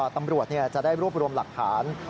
ตำรวจจะได้รวบรวมหลักฐาน